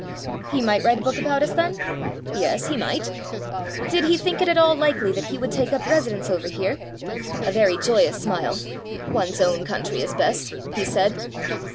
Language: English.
He might write a book about us, then? Yes, he might. Did he think it at all likely that he would take up residence over here? A very joyous smile. "One's own coun try is best," he said.